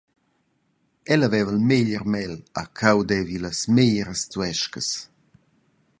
Ella haveva il meglier mèl e cheu deva ei las meglieras zuescas.»